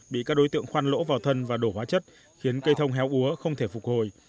bị các đối tượng khoan lỗ vào thân và đổ hóa chất khiến cây thông héo úa không thể phục hồi